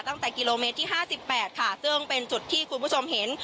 ตั้งแต่กิโลเมตรที่ห้าสิบแปดค่ะซึ่งเป็นจุดที่คุณผู้ชมเห็น